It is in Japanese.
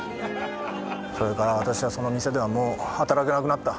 それから私はその店ではもう働けなくなった。